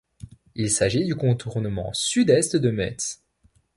Il s'agit du contournement sud-est de Metz.